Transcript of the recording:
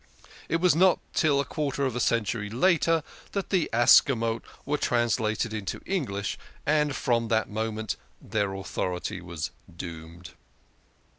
It was not till a quarter of a century later that the Ascamot were translated into English, and from that moment their authority was doomed.